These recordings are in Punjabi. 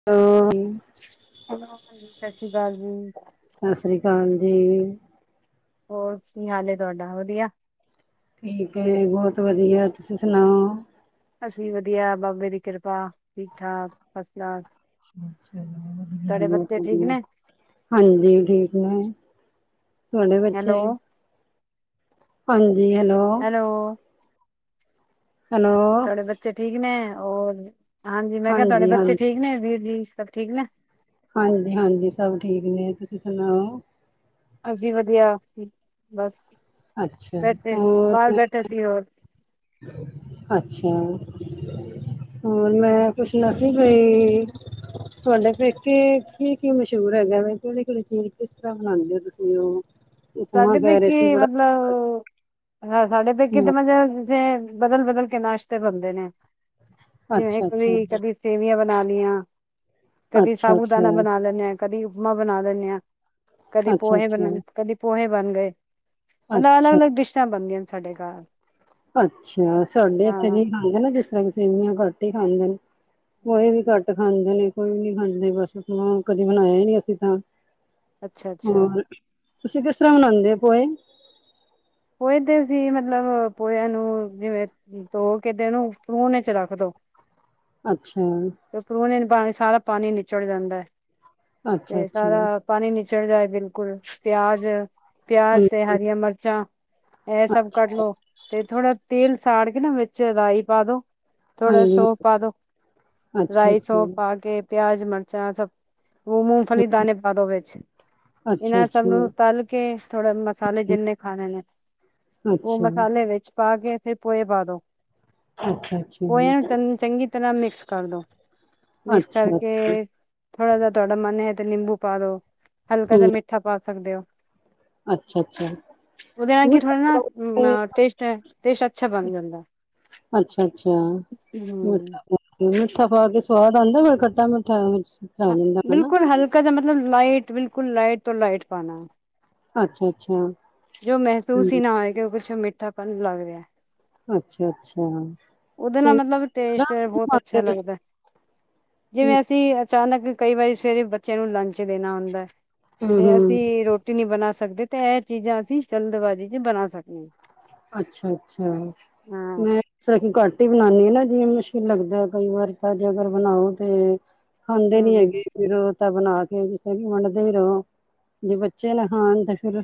[inaudible] ਸਤਿ ਸ੍ਰੀ ਅਕਾਲ ਜੀ। ਸਤਿ ਸ਼੍ਰੀ ਅਕਾਲ ਜੀ। ਹੋਰ ਕੀ ਹਾਲ ਏ ਤੁਹਾਡਾ ਵਧੀਆ। ਠੀਕ ਐ, ਬਹੁਤ ਵਧੀਆ ਤੁਸੀਂ ਸੁਣਾਓ? ਅਸੀਂ ਵਧੀਆ ਬਾਬੇ ਦੀ ਕਿਰਪਾ ਠੀਕ, ਠਾਕ ਫਸਟ ਕਲਾਸ ਤੁਹਾਡੇ ਬਹੁਤ ਬੱਚੇ ਠੀਕ ਵਧਿਆ ਨੇ ਹਾਂਜੀ ਠੀਕ ਨੇ ਤੁਹਾਡੇ ਬੱਚੇ ਹੈਲੋ ਹਾਂਜੀ ਹੈਲੋ। ਉਹ ਹੈਲੋ। ਤੁਹਾਡੇ ਬੱਚੇ ਠੀਕ ਨੇ ਹੋਰ ਹਾਂਜੀ ਮੈਂ ਕਿਹਾ ਤੁਹਾਡੇ ਬੱਚੇ ਠੀਕ ਨੇ ਵੀਰ ਜੀ ਸਭ ਠੀਕ ਨੇ ਹਾਂਜੀ, ਹਾਂਜੀ ਸਭ ਠੀਕ ਨੇ ਤੁਸੀਂ ਸੁਣਾਓ? ਅਸੀਂ ਵਧੀਆ ਬਸ ਅੱਛਾ ਬੈਠੇ ਹੋਰ ਬਾਹਰ ਬੈਠੇ ਸੀ ਹੋਰ ਅੱਛਾ। ਹੋਰ ਮੈਂ ਪੁੱਛਣਾ ਸੀ ਬਈ ਤੁਹਾਡੇ ਪੇਕੇ ਕੀ ਕੀ ਮਸ਼ਹੂਰ ਹੈਗਾ ਕਿਹੜੀ, ਕਿਹੜੀ ਚੀਜ਼ ਕਿਸ ਤਰ੍ਹਾਂ ਬਨਾਉਂਦੇ ਹੋ ਤੁਸੀਂ ਉਹ ਉਪਮਾ ਸਾਡੀੇ ਕਹਿ ਰਹੇ ਸੀ ਪੇਕੇ ਬੜਾ ਮਤਲਬ ਹਾਂ ਸਾਡੇ ਪੇਕੇ ਹਮ ਤੇ ਮੇ ਜੇ ਬਦਲ, ਬਦਲ ਕੇ ਨਾਸ਼ਤੇ ਬਣਦੇ ਨੇ ਜਿਵੇਂ ਅੱਛਾ-ਅੱਛਾ, ਕੋਈ ਕਦੀ ਸੇਵੀਆਂ ਬਣਾ ਲਈਆਂ ਕਦੇ ਸਾਬੂਦਾਨਾ ਅੱਛਾ-ਅੱਛਾ, ਬਣਾ ਲੈਂਨੇ ਹ ਕਦੀ ਉਪਮਾ ਬਣਾ ਦਿੰਦੇ ਹਾਂ ਕਦੇ ਪੋਹੇ ਬ ਅੱਛਾ-ਅੱਛਾ, ਕਦੀ ਪੋਹੇ ਬਣ ਗਏ ਮਤਲਬ ਅਲੱਗ, ਅੱਛਾ। ਅਲੱਗ ਡਿਸ਼ਾਂ ਬਣਦੀਆਂ ਸਾਡੇ ਘਰ ਅੱਛਾ ਸਾਹਾਡੇ ਇੱਥੇ ਹਾਂ ਨਹੀਂ ਖਾਂਦੇ ਨਾ ਜਿਸ ਤਰ੍ਹਾਂ ਕਿਸ ਸੇਵੀਆਂ ਕਟ ਹੀ ਖਾਂਦੇ ਨੇ ਉਹੇ ਵੀ ਘੱਟ ਖਾਂਦੇ ਨੇ ਕੋਈ ਵੀ ਨਹੀਂ ਖਾਂਦੇ ਬਸ ਆਪ ਕਦੇ ਬਣਾਇਆ ਹੀ ਨਹੀਂ ਅਸੀਂ ਤਾਂ ਅੱਛਾ ਅੱਛਾ ਹੋਰ ਤੁਸੀਂ ਕਿਸ ਤਰ੍ਹਾਂ ਮਨਾਉਂਦੇ ਪੋਏ ਪੋਹੇ ਦੇਸੀ ਮਤਲਬ ਪੋਇਿਆਂ ਨੂੰ ਜਿਵੇਂ ਧੋ ਕੇ ਉਹਨੂੰ ਫਹ ਚ ਰੱਖ ਦੋ ਅੱਛਾ। ਤੇ ਪਰੁਣ ਚ ਪਾਣੀ ਸਾਰਾ ਪਾਣੀ ਨਿਚੜ ਜਾਂਦਾ ਤੇ ਅੱਛਾ-ਅੱਛਾ, ਸਾਰਾ ਪਾਣੀ ਨਿਚੜ ਜਾਏ ਬਿਲਕੁਲ ਪਿਆਜ, ਪਿਆਜ ਹੂੰ, ਤੇ ਹਰੀਆਂ ਮਿਰਚਾਂ ਇਹ ਸਭ ਕਡ ਅੱਛਾ ਲੋ ਤੇ ਥੋੜਾ ਤੇਲ ਸਾੜ ਕੇ ਨਾ ਵਿੱਚ ਰਾਈ ਪਾ ਦੋ ਥੋੜਾ ਹਾਂਜੀ ਸੌਫ ਪਾ ਦੋ ਰਾਈ ਅੱਛਾ-ਅੱਛਾ, ਸੌਫ ਪਾ ਕੇ ਪਿਆਜ ਮਿਰਚਾਂ ਸਭ ਮੂੰ ਹੂੰ, ਮੂੰਗਫਲੀ ਦਾਣੇੇ ਪਾ ਦੋ ਵਿੱਚ ਇਹਨਾਂ ਸਭ ਨੂੰ ਅੱਛਾ-ਅੱਛਾ, ਤੱਲ ਕੇ ਥੋੜੇ ਮਸਾਲੇ ਜਿੰਨੇ ਖਾਣੇ ਨੇ ਉਹ ਅੱਛਾ। ਮਸਾਲੇ ਵਿੱਚ ਪਾ ਕੇ ਫਿਰ ਪੋਏ ਪਾ ਦੋ ਅੱਛਾ-ਅੱਛਾ, ਪੋਏ ਨੂੰ ਚੰ ਚੰਗੀ ਫਿਰ ਮਿਕਸ ਕਰਦੋ ਮਿਕਸ ਅੱਛਾ, ਕਰਕੇ ਥੋੜ੍ਹਾ ਜਿਹਾ ਤੁਹਾਡਾ ਮਨ ਹੈ ਤੇ ਨਿੰਬੂ ਪਾ ਦੋ ਹਲਕਾ ਜਿਹਾ ਮਿੱਠਾ ਪਾ ਸਕਦੇ ਹੋ। ਅੱਛਾ, ਅੱਛਾ। ਉਹਦੇ ਨਾਲ ਕੀ ਟੇਸਟ, ਟੇਸਟ ਅੱਛਾ ਬਣ ਜਾਂਦਾ। ਅੱਛਾ ਮਠ ਹੂੰ ਮਿੱਠਾ ਪਾ ਕੇ ਸਵਾਦ ਆਉਂਦਾ ਬ ਖੱਟਾ ਮਿੱਠਾ ਵਿੱਚ ਬਿਲਕੁਲ ਹਲਕਾ ਜ ਮਤਲਬ ਲਾਈਟ ਬਿਲਕੁਲ ਲਾਈਟ ਤੋਂ ਲਾਈਟ ਪਾਉਣਾ। ਅੱਛਾ, ਅੱਛਾ। ਜੋ ਹੂੰ ਮਹਿਸੂਸ ਹੀ ਨਾ ਹੋਏ ਕਿ ਉਹ ਕੁਛ ਮਿੱਠਾ ਪਨ ਲੱਗ ਰਿਹਾ। ਅੱਛਾ ਅੱਛਾ ਉਹਦੇ ਨਾਲ ਤੇ ਮਤਲਬ ਟੇਸਟ ਬਹੁਤ ਅੱਛਾ ਲੱਗਦਾ। ਜਿਵੇਂ ਅਸੀਂ ਅਚਾਨਕ ਕਈ ਵਾਰੀ ਸਵੇਰੇ ਬੱਚਿਆਂ ਨੂੰ ਲੰਚ ਦੇਣਾ ਹੁੰਦਾ ਹੂੰ ਤੇ ਹੂੰ ਅਸੀਂ ਰੋਟੀ ਨਹੀਂ ਬਣਾ ਸਕਦੇ ਤੇ ਇਹ ਚੀਜ਼ਾਂ ਅਸੀਂ ਚਲਦਬਾਜ਼ੀ ਚ ਬਣਾ ਸਕਦੇ ਹਾਂ। ਅੱਛਾ, ਅੱਛਾ ਹਾਂ ਮ ਸਾਡੀ ਘੱਟ ਹੀ ਬਣਾਉਂਦੀ ਹ ਨਾ ਜਿਵੇਂ ਮੁਸ਼ਕਿਲ ਲੱਗਦਾ ਕਈ ਵਾਰ ਤਾਂ ਜੇ ਅਗਰ ਬਣਾਓ ਤੇ ਹੁੰਦੇ ਨੀ ਹਮ ਹੈਗੇ ਫਿਰੋ ਤਾਂ ਬਣਾ ਕੇ ਜਿਸ ਤਰ੍ਹਾਂ ਵੰਡਦੇ ਹੀ ਰਹੋ ਜੇ ਬੱਚੇ ਨਾ ਖਾਣ ਤਾਂ ਫਿਰ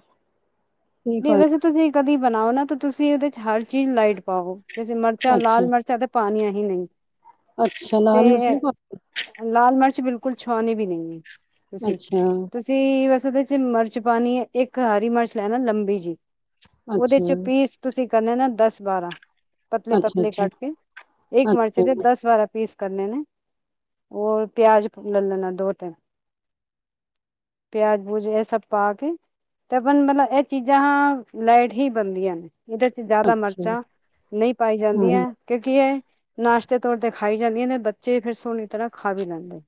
ਕੀ ਦੇ ਵੈਸੇ ਫਾਇਦਾ ਤੁਸੀਂ ਕਦੇ ਬਣਾਓ ਨਾ ਤਾਂ ਤੁਸੀਂ ਉਹਦੇ ਚ ਹਰ ਚੀਜ਼ ਲਾਈਟ ਪਾਓ। ਵਿਚ ਮਿਰਚਾਂ ਅੱਛਾ ਲਾਲ ਮਿਰਚਾਂ ਤੇ ਪਾਣੀਆਂ ਹੀ ਨਹੀਂ। ਅੱਛਾ ਲਾਲ ਮਿਰਚ ਤੇ ਨਹੀ ਪਾਣੀ ਲਾਲ ਮਿਰਚ ਬਿਲਕੁਲ ਛੋਹਾਣੀ ਵੀ ਨਹੀਂ ਹੈ ਤੁਸੀਂ ਅੱਛਾ ਤੁਸੀਂ ਵੇਸ ਉਹਦੇ ਚ ਮਿਰਚ ਪਾਣੀ ਹੈ ਇੱਕ ਹਰੀ ਮਿਰਚ ਲੈਣਾ ਲੰਬੀ ਜਿਹੀ ਉਹਦੇ ਅੱਛਾ ਚ ਪੀਸ ਤੁਸੀਂ ਕਰਨੇ ਨਾ ਦਸ ਬਾਰਾਂ। ਅੱਛਾ ਪਤਲੇ-ਪਤਲੇ ਅੱਛਾ ਕੱਟ ਕੇ, ਇੱਕ ਮਰਚ ਦੇ ਅੱਛਾ ਦਸ ਬਾਰਾ ਪੀਸ ਕਰਨੇ ਨੇ ਔਰ ਪਿਆਜ ਲੈ ਲੈਣਾ ਦੋ ਤਿੰਨ। ਪਿਆਜ ਪਯੁਜ਼ ਇਹ ਸਭ ਪਾ ਕੇ ਤੇ ਆਪਨ ਮਤਲਬ ਚੀਜ਼ਾਂ ਲਾਈਟ ਹੀ ਬਣਦੀਆਂ ਨੇ ਓਹਦੇ ਚ ਜ਼ਿਆਦਾ ਅੱਛਾ ਮਿਰਚਾਂ ਨਹੀਂ ਪਾਈ ਹੂੰ, ਹੂੰ, ਜਾਂਦੀਆਂ। ਕਿਉਂਕਿ ਇਹ ਨਾਸ਼ਤੇ ਤੋੌਰ ਤੇ ਖਾਈ ਜਾਂਦੀਆਂ ਨੇ ਬੱਚੇ ਫੇਰ ਸੋਹਣੀ ਤਰ੍ਹਾਂ ਖਾ ਵੀ ਲੈਂਦੇ।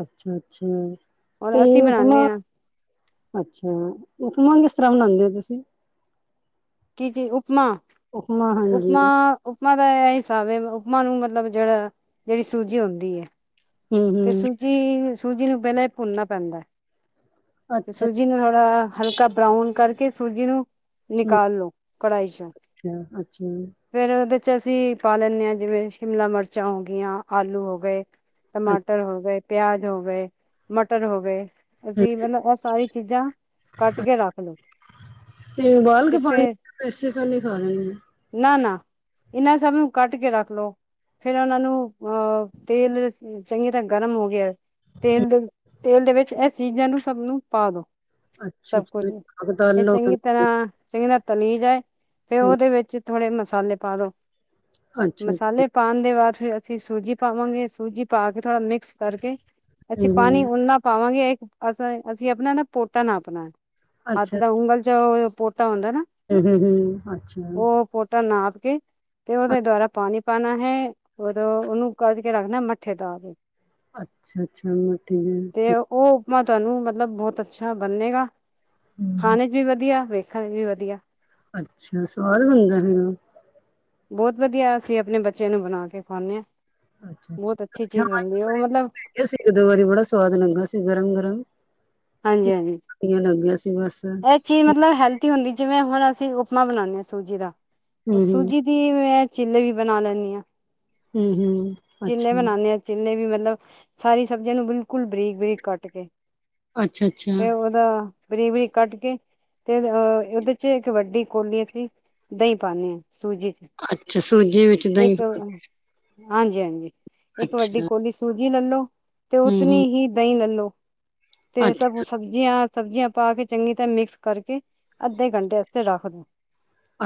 ਅੱਛਾ-ਅੱਛਾ ਤੇ ਔਰ ਅਸੀਂ ਬਣਾਉਂਦੇ ਆਪਣਾ ਹਾਂ ਅੱਛਾ, ਉਪਮਾਂ ਕਿਸ ਤਰ੍ਹਾਂ ਬਣਾਉਂਦੇ ਹੋ ਤੁਸੀਂ? ਜੀ ਜੀ ਉਪਮਾ ਹਾਂਜੀ ਉਪਮਾ-ਉਪਮਾ ਉਪਮਾ ਦਾ ਇਹ ਹਿਸਾਬ ਹੈ, ਉਪਮਾ ਨੂੰ ਮਤਲਬ ਜਿਹੜਾ ਜਿਹੜੀ ਸੂਜੀ ਹੁੰਦੀ ਹੈ। ਤੇ ਹੂੰ-ਹੂੰ ਸੂਜੀ-ਸੂਜੀ ਨੂੰ ਬਹਿਲ ਹੀ ਭੁਨਨਾ ਪੈਂਦਾ ਤੇ ਸੂਜੀ ਅੱਛਾ ਸੂਜੀ ਨੂੰ ਥੋੜਾ ਹਲਕਾ ਬਰਾਊਨ ਕਰਕੇ ਸੂਜੀ ਨੂੰ ਹੂੰ ਨਿਕਾਲ ਲਓ ਕੜਾਈ ਚ ਅੱਛਾ-ਅੱਛਾ ਫੇਰ ਉਹਦੇ ਚ ਅਸੀਂ ਪਾ ਲੈਂਦੇ ਹਾਂ, ਜਿਵੇਂ ਸ਼ਿਮਲਾ ਮਿਰਚਾਂ ਹੋ ਗਈਆਂ, ਆਲੂ ਹੋ ਗਏ ਅੱਛਾ ਟਮਾਟਰ ਹੋ ਗਏ, ਪਿਆਜ ਹੋ ਗਏ, ਮਟਰ ਹੋ ਗਏ, ਅਸੀਂ ਮਤਲਬ ਇਹ ਸਾਰੀ ਚੀਜ਼ਾਂ ਕੱਟ ਕੇ ਰੱਖ ਲੋਓ। ਤੇ ਉਬਾਲ ਕੇ ਪਾਣੀ ਪੈਸੇ [unintelligible] ਖਾ ਲਦੇ। ਨਾ-ਨਾ ਇਹਨਾਂ ਸਭ ਨੂੰ ਕੱਟ ਕੇ ਰੱਖ ਲੋ। ਫੇਰ ਉਹਨਾਂ ਨੂੰ ਅਹ ਤੇਲ ਚੰਗੀ ਤਰ੍ਹਾਂ ਗਰਮ ਹੋ ਗਿਆ। ਤੇਲ ਦੇ ਤੇਲ ਦੇ ਵਿੱਚ ਇਹ ਚੀਜ਼ਾਂ ਨੂੰ ਸਭ ਨੂੰ ਪਾ ਦੋ। ਸਭ ਕੁਝ ਅੱਛਾ-ਅੱਛਾ ਅਗਦਲ ਇਹ ਲੋਕ ਚੰਗੀ ਤਰ੍ਹਾਂ, ਚੰਗੀ ਤਰਾਂ ਤਲੀ ਜਾਏ ਫੇਰ ਉਹਦੇ ਵਿੱਚ ਥੋੜੇ ਮਸਾਲੇ ਪਾ ਦੋ ਅੱਛਾ-ਅੱਛਾ ਹੂੰ ਮਸਾਲੇ ਪਾਣ ਦੇ ਬਾਅਦ ਫੇਰ ਅਸੀਂ ਸੂਜੀ ਪਾਵਾਂਗੇ ਸੂਜੀ ਪਾ ਕੇ ਥੋੜਾ ਮਿਕਸ ਕਰਕੇ ਹੂੰ, ਅੱਛਾ ਅਸੀਂ ਪਾਣੀ ਹੂੰ-ਹੂੰ ਉਣਾ ਪਾਵਾਂਗੇ ਅ ਅਸੀਂ ਆਪਣਾ ਨਾ ਪੋਟਾ ਨਾਪਣਾ ਹੱਥ ਦਾ ਉਂਗਲ ਚ ਤਾਂ ਹੁੰਦਾ ਨਾ [unintelligible] ਅੱਛਾ। ਤਾਂ ਨਾਪ ਕੇ ਤੇ ਉਹਦੇ ਚ ਦੁਆਰਾ ਪਾਣੀ ਪਾਣਾ ਹੈ, ਉਦੋਂ ਉਹਨੂੰ ਕੱਜ ਕੇ ਰੱਖ ਦੇਣਾ ਮੱਠੇ ਤਾ ਤੇ। ਅੱਛਾ-ਅੱਛਾ ਮੈਂ। ਤੇ [unintelligible] ਉਹ ਉਪਮਾ ਤੁਹਾਨੂੰ ਮਤਲਬ ਬਹੁਤ ਅੱਛਾ ਬੰਨੇਗਾ ਹੂੰ ਖਾਣੇ ਚ ਵੀ ਵਧੀਆ ਵੇਖ ਹਾਂਜੀ ਵਧੀਆ। ਅੱਛਾ, ਸਵਾਦ ਬਣਦਾ ਨਾ? ਬਹੁਤ ਵਧੀਆ ਅਸੀਂ ਆਪਣੇ ਬੱਚਿਆਂ ਨੂੰ ਬਣਾ ਕੇ ਖਵਾਨੇ ਆ ਅੱਛਾ-ਅੱਛਾ ਬਹੁਤ ਅੱਛੀ ਅਸੀਂ ਹਾਂ ਚੀਜ਼ ਇੱਕ ਬਣਦੀ ਹੈ ਉਹ ਵਾਰੀ ਮਤਲਬ ਬਣਾਇਆ ਸੀ ਇੱਕ ਦੋ ਵਾਰੀ ਬੜਾ ਸਵਾਦ ਲੱਗਾ ਸੀ, ਗਰਮ-ਗਰਮ। ਹਾਂਜੀ-ਹਾਂਜੀ। ਟਟੀਆਂ ਲਗ ਗਿਆ ਸੀ ਬਸ। ਹੂੰ ਚੀਜ਼ ਮਤਲਬ ਹੈਲਦੀ ਹੁੰਦੀ। ਜਿਵੇਂ ਹੁਣ ਅਸੀਂ ਉਪਮਾ ਬਣਾਉਦੇ ਹਾਂ ਸੂਜੀ ਦਾ ਉਹ ਹੂੰ ਸੂਜੀ ਦੀ ਮੈਂ ਚਿੱਲੇ ਵੀ ਬਣਾ ਲੈਂਨੀ ਹਾਂ। ਹੂੰ ਹੂੰ ਚਿੱਲੇ ਅੱਛਾ ਬਣਾਨੇ ਆ ਜਿੰਨੇ ਵੀ ਮਤਲਬ ਸਾਰੀ ਸਬਜ਼ੀਆਂ ਨੂੰ ਬਿਲਕੁਲ ਬਰੀਕ ਬਰੀਕ ਕੱਟ ਕੇ। ਅੱਛਾ-ਅੱਛਾ। ਤਾਂ ਬਾਰੀਕ ਬਾਰੀਕ ਕੱਟ ਕੇ ਤੇ ਅਹ ਉਹਦੇ ਚ ਇੱਕ ਵੱਡੀ ਕੋਲੀ ਅਸੀਂ ਦਹੀਂ ਪਾਨੀ ਏ ਸੂਜੀ ਚ। ਅੱਛਾ ਸੂਜੀ ਵਿੱਚ ਬਾਰੀਕ ਦਹੀਂ ਪਾ ਕਰਨਾ? ਹਾਂਜੀ-ਹਾਂਜੀ ਇੱਕ ਵੱਡੀ ਅੱਛਾ ਕੋਲੀ ਚ ਸੂਜੀ ਲੈਲੋ ਤੇ ਹੂੰ ਹੂੰ ਉਤਨੀ ਹੀ ਦਹੀਂ ਲੈਲੋ ਤੇ ਸਭ ਅੱਛਾ ਉਸ ਸਬਜ਼ੀਆਂ-ਸਬਜ਼ੀਆਂ ਪਾ ਕੇ ਚੰਗੀ ਤਰਾਂ ਮਿਕਸ ਕਰਕੇ ਅੱਧੇ ਘੰਟੇ ਵਾਸਤੇ ਰੱਖਦੋ।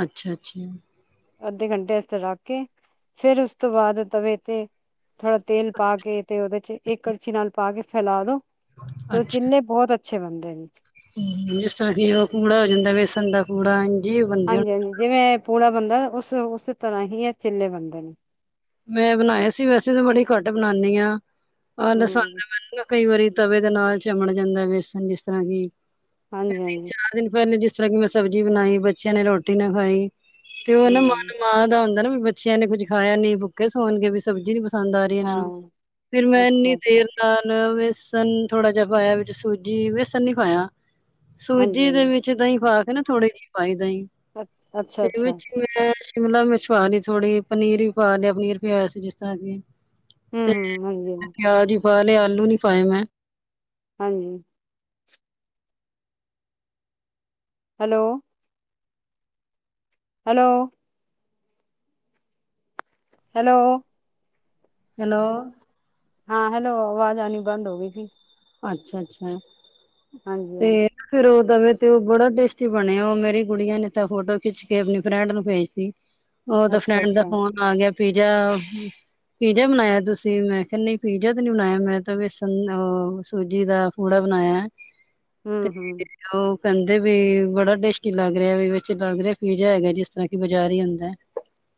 ਅੱਛਾ-ਅੱਛਾ। ਅੱਧੇ ਘੰਟੇ ਆਸਤੇ ਰੱਖ ਕੇ ਫੇਰ ਉਸ ਤੋਂ ਬਾਅਦ ਤਵੇ ਤੇ ਥੋੜਾ ਤੇਲ ਪਾ ਕੇ ਤੇ ਉਹਦੇ ਚ ਇੱਕ ਕੜਛੀ ਨਾਲ ਪਾ ਕੇ ਫੈਲਾ ਦੋ। ਤੇ ਅੱਛਾ। ਜਿੰਨੇ ਬਹੁਤ ਅੱਛੇ ਬੰਨਦੇ ਨੇ। ਜਿਸ ਤਰ੍ਹਾਂ ਕੀ ਉਹ ਪੁੜਾ ਹੋ ਜਾਂਦਾ। ਬੇਸਣ ਦਾ ਪੁੜਾ ਹਾਂਜੀ ਹਾਂਜੀ ਜਿਵੇਂ ਪੌਣਾ ਬੰਦਾ ਉਸ ਉਸੇ ਤਰ੍ਹਾਂ ਹੀ ਇਹ ਚੇਲੇ ਵਰਗਾ ਮੈਂ ਬਣਾਇਆ ਸੀ ਵੈਸੇ ਤਾਂ ਬੜੇ ਘੱਟ ਬਣਾਉਦੀ ਆ ਲਸਣ ਹੂੰ ਮੈਨੂੰ ਮੈਂ ਕਈ ਵਾਰੀ ਤਵੇ ਦੇ ਨਾਲ ਚਮਣ ਜਾਂਦਾ ਜਿਸ ਤਰਾਂ ਹਾਂਜੀ ਹਾਂਜੀ ਦਿਨ ਪਹਿਲੇ ਜਿਸ ਤਰ੍ਹਾਂ ਕਿ ਮੈਂ ਸਬਜ਼ੀ ਬਣਾਈ ਬੱਚਿਆਂ ਨੇ ਰੋਟੀ ਨਾ ਖਾਈ ਤੇ ਉਹਨੂੰ ਹੂੰ ਮਨ ਮਾਂ ਦਾ ਹੁੰਦਾ ਨਾ ਬੱਚਿਆਂ ਨੇ ਕੁਝ ਖਾਇਆ ਨਹੀਂ ਭੁੱਖੇ ਸੌਣ ਕੇ ਵੀ ਸਬਜੀ ਨੀ ਪਸੰਦ ਆ ਰਹੀ ਇਹਨਾਂ ਨੂੰ ਹਾਂ ਫਿਰ ਮੈਂ ਇੰਨੀ ਅੱਛਾ ਅੱਛਾ ਆਲਵੇਸਨ ਥੋੜਾ ਜਿਹਾ ਪਾਇਆ ਵਿੱਚ ਸੂਜੀ ਵੇਸਨ ਨਹੀਂ ਪਾਇਆ ਹਾਂਜੀ ਸੂਜੀ ਦੇ ਹਾਂਜੀ ਵਿੱਚ ਤਾਹੀ ਥੋੜੀ ਜਿਹੀ ਅ ਅੱਛਾ ਅੱਛਾ ਸਰੂਚੀ ਮੈਂ ਮਤਲਬ ਮੈਂਛਵਾ ਲਈ ਥੋੜ੍ਹੀ ਪਨੀਰ ਵੀ ਪਾ ਲਿਆ ਪਨੀਰ ਵੀ ਆਇਆ ਸੀ ਜਿਸ ਤਰ੍ਹਾਂ ਕਿ ਤੇ ਹਮ ਹਮ ਪਿਆਜ ਹੀ ਪਾ ਲਏ ਮੈ ਆਲੂ ਨਹੀ ਪਾਏ ਮੈ ਹਾਂਜੀ hello hello hello hello hello ਆਵਾਜ਼ ਆਲੀ ਬੰਦ ਹੋ ਗਈ ਅੱਛਾ ਅੱਛਾ ਹਾਂਜੀ ਤੇ ਹਾਂਜੀ ਫਿਰ ਉਹ ਦਵੇ ਤੇ ਬੜਾ ਟੇਸਟੀ ਬਣਿਆ ਉਹ ਮੇਰੀ ਕੁੜੀਆਂ ਨੇ ਤਾਂ ਫੋਟੋ ਖਿੱਚ ਕੇ ਨਿਊ ਫਰੈਂਡ ਨੂੰ ਭੇਜ ਤੀ ਉਹਦਾ ਅੱਛਾ ਫਰੈੰਦ ਦਾ ਅੱਛਾ ਫੌਨ ਆ ਗਿਆ [unintelligible] ਪਿਜਾ ਬਣਾਇਆ ਤੁਸੀਂ ਮੈਂ ਕੰਨੀ ਪਿਜਾ ਤੇ ਨਹੀਂ ਬਣਾਇਆ ਮੈਂ ਤਾਂ ਵੇ ਸੂਜੀ ਦਾ ਪੂੜਾ ਬਣਾਇਆ ਤੇ ਹਮ ਹਮ ਕਹਿੰਦੇ ਵੀ ਬੜਾ ਟੇਸਟੀ ਲੱਗ ਰਿਹਾ ਵਿੱਚ ਲੱਗ ਰਿਹਾ ਪੀਜ ਹੈਗਾ ਜੀ ਇਸ ਤਰਾਂ ਕਿ ਬਜਾਰ ਹੀ ਹੁੰਦਾ [inaudible]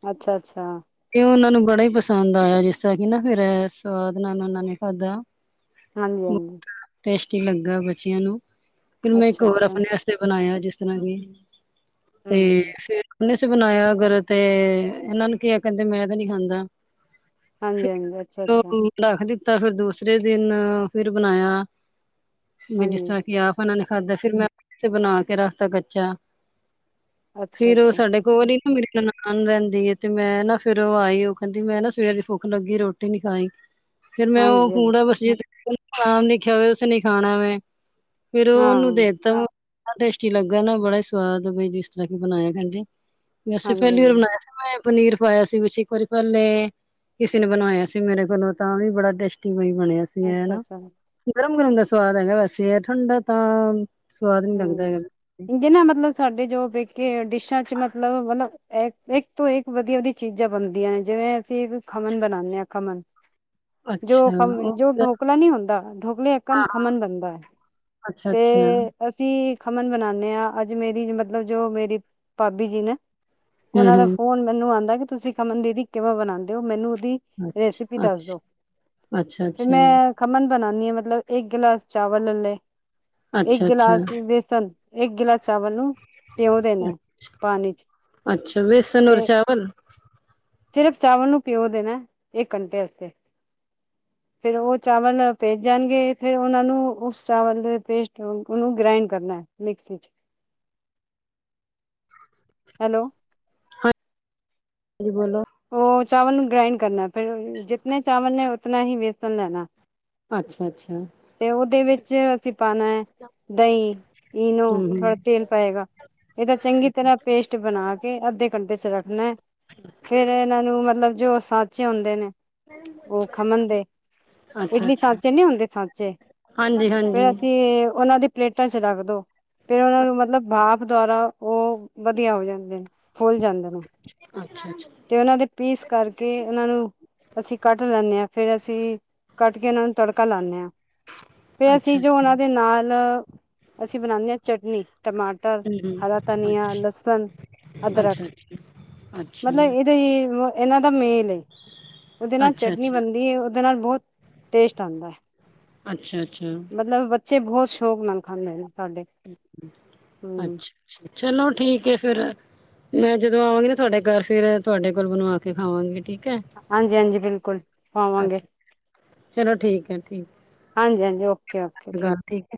ਅੱਛਾ ਅੱਛਾ ਤੇ ਉਹਨਾਂ ਨੂੰ ਬੜਾ ਹੀ ਪਸੰਦ ਆਇਆ ਜਿਸ ਤਰਾਂ ਕਿ ਨਾ ਫਿਰ ਸਵਾਦ ਨਾ ਨਾਨਾ ਨੇ ਖਾਦਾ ਹਾਂਜੀ ਹਾਂਜੀ ਟੇਸਟੀ ਲੱਗਾ ਬੱਚਿਆਂ ਨੂੰ ਫਿਰ ਮੈਂ ਇੱਕ ਅੱਛਾ ਹੋਰ ਅੱਛਾ ਆਪਣੇ [unintelligible] ਹੂੰ ਪੁਲਿਸ ਬਣਾਇਆ ਅਗਰ ਤੇ ਉਹਨਾਂ ਨੂੰ ਕਿਹਾ ਕਦੇ ਮੈਂ ਤਾਂ ਨਹੀਂ ਖਾਂਦਾ ਹਾਂਜੀ ਹਾਂਜੀ ਅੱਛਾ ਅੱਛਾ [unintelligible] ਉਹਨਾਂ ਹਾਂਜੀ ਨੇ ਖਾਦਾ ਫਿਰ ਮੈਂ ਬਣਾ ਕੇ ਰੱਖਤਾ ਬਚਿਆ ਅੱਛਾ ਫਿਰ ਅੱਛਾ ਸਾਡੇ ਗੋਰੀ ਭੰਗੜੇ ਨਾ ਦਿੰਦੀ ਹ ਤੇ ਮੈਂ ਨਾ ਫਿਰ ਉਹ ਆਈ ਉਹ ਕਹਿੰਦੀ ਮੈਂ ਨਾ ਸਵੇਰੇ ਭੁੱਖ ਲੱਗੀ ਹਾਂਜੀ ਹਾਂਜੀ [unintelligible] ਨੇ ਕਿਹਾ ਵੀ ਉਸੇ ਨਹੀਂ ਖਾਣਾ ਮੈਂ ਫਿਰ ਹਾਂ ਉਹਨੂੰ ਦੇ ਤਾ ਟੇਸਟੀ ਲੱਗਾ ਨਾ ਬੜੇ ਸਵਾਦ ਵੇ ਜਿਸ ਤਰਾਂ ਕਿ ਬਣਾਏ ਕਹਿੰਦੇ ਵੈਸੇ ਹਾਂਜੀ ਪਹਿਲੀ ਵਾਰ ਹਾਂਜੀ ਨਾ ਮੈਂ ਪਨੀਰ ਪਾਇਆ ਸੀ ਵੀ ਇੱਕ ਵਾਰੀ ਪਹਿਲੇ ਕਿਸੇ ਨੇ ਬਣਾਇਆ ਸੀ ਮੇਰੇ ਕੋਲੋਂ ਤਾਂ ਵੀ ਬੜਾ ਟੈਸਟਿੰਗ ਹੀ ਬਣਿਆ ਸੀ ਅੱਛਾ ਅੱਛਾ [unintelligible] ਕਿੰਨੇ ਮਤਲਬ ਸਾਡੇ ਜੋ ਬੀਕੇ ਡਿਸ਼ਾਂ ਚ ਮਤਲਬ ਇਕ ਤੋ ਇਕ ਵਧੀਆ ਵਧੀਆ ਚੀਜ਼ਾਂ ਬਣਦੀਆਂ ਜਿਵੇਂ ਜੇ ਕੁਝ ਖਮਨ ਬਣਾਉਦੇ ਆ ਕਮਨ ਜੋ ਅੱਛਾ ਉਹ ਠੋਕਲਾ ਨਹੀਂ ਹੁੰਦਾ ਠੋਕਲੇ ਇੱਕ ਖਮਨ ਬਣਦਾ ਅੱਛਾ ਤੇ ਅੱਛਾ ਅਸੀਂ ਖਮਣ ਬਣਾਉਦੇ ਆਂ ਅੱਜ ਮੇਰੀ ਮਤਲਬ ਜੋ ਮੇਰੀ ਭਾਬੀ ਜੀ ਨੇ। ਉਹਨਾਂ ਦਾ ਹੂੰ-ਹੂੰ ਫੋਨ ਮੈਨੂੰ ਆਉਂਦਾ ਕਿ ਤੁਸੀਂ ਖਮਣ ਦੀਦੀ ਕਿਵੇਂ ਬਣਾਉਂਦੇ ਹੋ ਮੈਨੂੰ ਉਹਦੀ। ਰੈਸਪੀ ਅੱਛਾ, ਦੱਸ ਅੱਛਾ, ਦਿਉ। ਫੇਰ ਅੱਛਾ-ਅੱਛਾ, ਮੈਂ ਖਮਣ ਬਣਾਣੀ ਆਂ, ਮਤਲਬ ਇੱਕ ਗਲਾਸ ਚਾਵਲ ਲੈ ਲਏ। ਇੱਕ ਅੱਛਾ-ਅੱਛਾ, ਗਿਲਾਸ ਵੇਸਨ, ਇੱਕ ਗਿਲਾਸ ਚਾਵਲ ਨੂੰ ਭਿਓਂ ਦੇਣਾ ਪਾਣੀ ਚ ਅੱਛਾ ਵੇਸਨ ਔਰ ਤੇ ਚਾਵਲ ਸਿਰਫ਼ ਚਾਵਲ ਨੂੰ ਭਿਓ ਦੇਣਾ ਇੱਕ ਘੰਟੇ ਅਸਤੇ। ਫੇਰ ਓਹ ਚਾਵਲ ਭਿੱਜ ਜਾਣਗੇ, ਫੇਰ ਔਨਾਂ ਨੂੰ ਉਸ ਚਾਵਲ ਦੇ ਪੇਸਟ ਨੂੰ। ਉਹਨੂੰ ਗ੍ਰਾਈੰਡ ਕਰਨਾ ਮਿਕਸੀ ਚ। ਹੈਲੋ। ਜੀ ਬੋਲੋ। ਓਹ ਚਾਵਲ ਨੂੰ ਗ੍ਰਾਈੰਡ ਕਰਨੈ ਫਿਰ ਜਿਤਨੇ ਚਾਵਲ ਨੇ ਉਤਨਾ ਹੀ ਵੇਸਨ ਲੈਣੈ। ਅੱਛਾ, ਅੱਛਾ। ਤੇ ਉਹਦੇ ਵਿੱਚ ਅਸੀਂ ਪਾਣਾ ਦਹੀਂ, ਇਨੋ, ਹੂੰ-ਹੂੰ ਥੋੜਾ ਤੇਲ ਪਏਗਾ। ਇਹਦਾ ਚੰਗੀ ਤਰ੍ਹਾਂ ਪੇਸਟ ਬਣਾ ਕੇ ਅੱਧੇ ਘੰਟੇ ਚ ਰੱਖਣਾ ਏ। ਫੇਰ ਇਹਨਾਂ ਨੂੰ ਮਤਲਬ ਜੋ ਸਾਂਚੇ ਹੁੰਦੇ ਨੇ ਉਹ ਖਮਣ ਦੇ ਇਡਲੀ ਅੱਛਾ-ਅੱਛਾ ਸਾਚੇ ਨੀ ਹੁੰਦੇ ਸਾਚੇ। ਫੇਰ ਹਾਂਜੀ-ਹਾਂਜੀ ਅਸੀਂ ਉਹਨਾਂ ਦੀ ਪਲੇਟਾਂ ਚ ਰੱਖ ਦੋ। ਫੇਰ ਔਨਾਂ ਨੂੰ ਮਤਲਬ ਭਾਫ ਦੁਆਰਾ ਓਹ ਵਧੀਆ ਹੋ ਜਾਂਦੇ ਨੇ ਫੁੱਲ ਜਾਂਦੇ ਨੇ। ਅੱਛਾ ਅੱਛਾ। ਤੇ ਉਹਨਾਂ ਦੇ ਪੀਸ ਕਰਕੇ ਉਹਨਾਂ ਨੂੰ ਅਸੀਂ ਕੱਟ ਲੈਂਣੇ ਆਂ, ਫੇਰ ਅਸੀਂ ਕੱਟ ਕੇ ਇਨਾਂ ਨੂੰ ਤੜਕਾ ਲਾਣੇ ਆਂ। ਫੇਰ ਅਸੀਂ ਜੋ ਅੱਛਾ-ਅੱਛਾ ਓਹਨਾਂ ਦੇ ਨਾਲ ਅਸੀਂ ਬਣਾਣੇ ਆਂ ਚਟਨੀ। ਟਮਾ ਟਰ ਹਰਾ ਹੂੰ-ਹੂੰ ਧਨੀਆਂ, ਅੱਛਾ ਲਸਨ, ਅੱਛਾ ਅਦਰਕ। ਅੱਛਾ ਅੱਛਾ ਮਤਲਬ ਏਦੀ ਏਨਾਂ ਦਾ ਮੇਲ ਏ। ਉਦੇ ਨਾਲ ਅੱਛਾ ਚਟਨੀ ਅੱਛਾ ਬਣਦੀ ਏ ਉਦੇ ਨਾਲ ਬਹੁਤ ਟੇਸਟ ਆਦਾ। ਅੱਛਾ, ਅੱਛਾ। ਬੱਚੇ ਬਹੁਤ ਸ਼ੌਕ ਨਾਲ ਖਾਂਦੇ ਨੇ ਸਾਡੇ। ਹੂੰ ਅੱਛਾ ਛਾ, ਚਲੋ ਠੀਕ ਏ ਫੇਰ। ਮੈਂ ਜਦੋਂ ਆਵਾਂਗੀ ਨਾ ਤੁਹਾਡੇ ਘਰ ਫੇਰ ਤੁਹਾਡੇ ਕੋਲੋ ਬਣਵਾ ਕੇ ਖਾਵਾਂਗੀ, ਠੀਕ ਹੈ। ਹਾਂਜੀ ਹਾਂਜੀ, ਬਿਲਕੁਲ ਖਵਾਵਾਂਗੇ। ਅੱਛਾ ਚਲੋ ਠੀਕ ਹੈ ਠੀਕ ਹਾਂਜੀ ਹਾਂਜੀ, ਓਕੇ ਓਕੇ ਗੱਲ ਠੀਕ। ਠੀਕ ਹੈ।